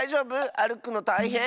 あるくのたいへん？